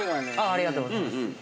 ◆ありがとうございます。